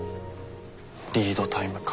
リードタイムか。